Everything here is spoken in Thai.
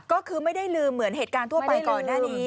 ก็คือไม่ได้ลืมเหมือนเหตุการณ์ทั่วไปก่อนหน้านี้